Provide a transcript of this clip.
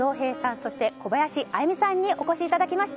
そして、小林愛実さんにお越しいただきました。